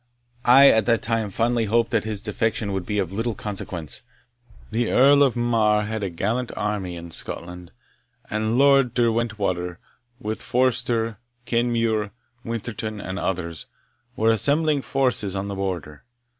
I at that time fondly hoped that his defection would be of little consequence. The Earl of Mar had a gallant army in Scotland, and Lord Derwentwater, with Forster, Kenmure, Winterton, and others, were assembling forces on the Border.